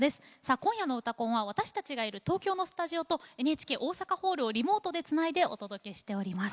今夜の「うたコン」は私たちがいる東京のスタジオとＮＨＫ大阪ホールをリモートでつないでお届けしております。